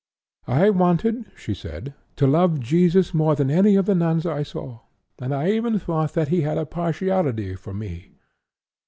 'I wanted', she said, 'to love Jesus more than any of the nuns I saw, and I even thought that he had a partiality for me.'